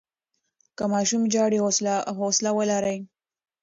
که ماشوم ژاړي، حوصله ولرئ.